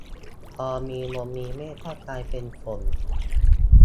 พอมีลมมีเมฆก็กลายเป็นฝน